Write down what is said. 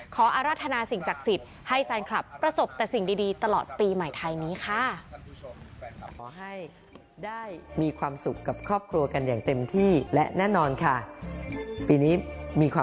อารัฐนาสิ่งศักดิ์สิทธิ์ให้แฟนคลับประสบแต่สิ่งดีตลอดปีใหม่ไทยนี้ค่ะ